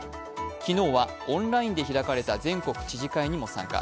昨日はオンラインで開かれた全国知事会にも参加。